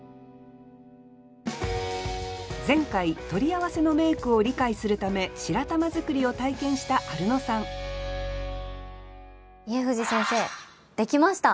前回取り合わせの名句を理解するため白玉作りを体験したアルノさん家藤先生できました！